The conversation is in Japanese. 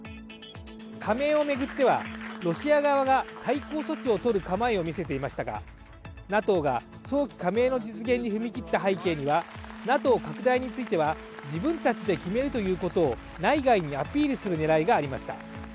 加盟を巡ってはロシア側が対抗措置を取る構えを見せていましたがＮＡＴＯが早期加盟の実現に踏み切った背景には、ＮＡＴＯ拡大については自分たちで決めるということを内外にアピールする狙いがありました。